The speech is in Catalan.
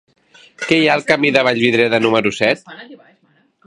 Què hi ha al camí de Vallvidrera número set?